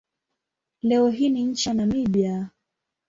Leo hii ni nchi ya Namibia.